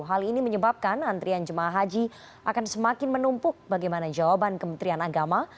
hal ini menyebabkan antrian jemaah haji akan semakin menumpuk bagaimana jawaban kementerian agama